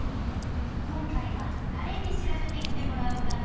こんかいはだれに調べてきてもらおうかな？